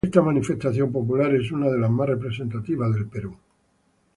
Esta manifestación popular es una de las más representativas del Perú.